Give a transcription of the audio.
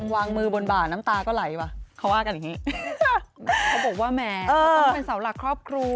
เขาบอกว่าแม่ต้องเป็นสาวหลักครอบครู